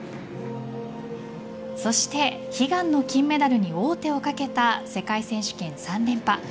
そして悲願の金メダルに王手をかけた世界選手権３連覇